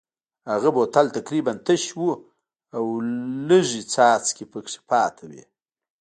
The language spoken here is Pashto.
هغه بوتل تقریبا تش و او لږې څاڅکې پکې پاتې وې.